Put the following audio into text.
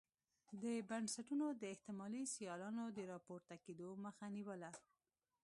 دې بنسټونو د احتمالي سیالانو د راپورته کېدو مخه نیوله.